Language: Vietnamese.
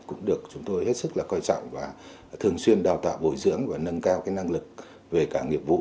cũng được chúng tôi hết sức là coi trọng và thường xuyên đào tạo bồi dưỡng và nâng cao năng lực về cả nghiệp vụ